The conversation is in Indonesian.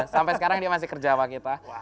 sampai sekarang dia masih kerja sama kita